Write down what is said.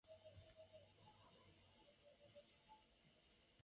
Esto debería suponer un ahorro considerable de peso y mayor rigidez estructural.